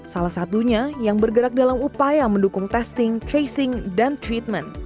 salah satunya yang bergerak dalam upaya mendukung testing tracing dan treatment